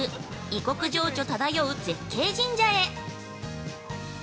異国情緒ただよう絶景神社へ。